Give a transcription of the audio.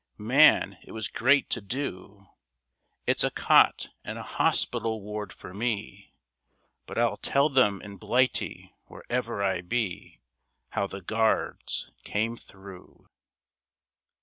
Man! it was great to do! It's a cot, and a hospital ward for me, But I'll tell them in Blighty wherever I be, How the Guards came through.